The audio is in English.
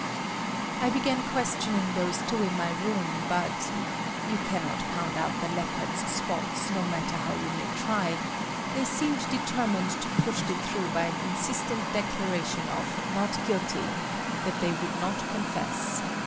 I began questioning those two in my room, but,—you cannot pound out the leopard's spots no matter how you may try,—they seemed determined to push it through by an insistent declaration of "not guilty," that they would not confess.